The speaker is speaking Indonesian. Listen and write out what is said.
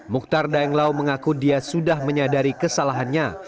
mukhtar daenglau mengaku dia sudah menyadari kesalahannya